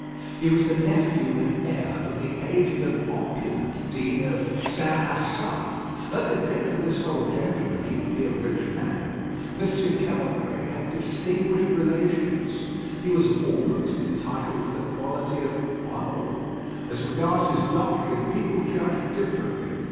He was the nephew and heir of the aged and opulent dean of St. Asaph. At the death of this old gentleman he would be a rich man. M. Caudray had distinguished relations. He was almost entitled to the quality of "Honourable." As regarded his doctrine, people judged differently.